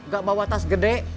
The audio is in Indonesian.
gak bawa tas gede